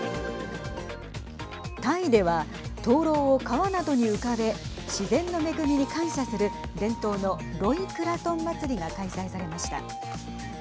タイでは灯籠を川などに浮かべ自然の恵みに感謝する伝統のロイクラトン祭りが開催されました。